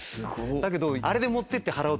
だけどあれで持ってって。